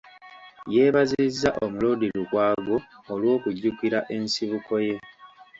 Yeebazizza Omuloodi Lukwago olw'okujjukira ensibuko ye